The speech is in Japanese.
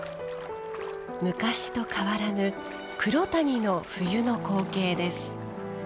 昔と変わらぬ黒谷の冬の光景です。